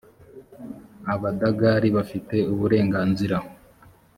abadagari bafite uburenganzira